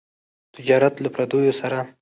تجارت له پرديو سره.